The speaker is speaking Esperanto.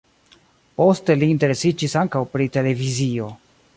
Poste li interesiĝis ankaŭ pri televizio.